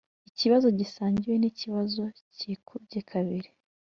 ikibazo gisangiwe nikibazo cyikubye kabiri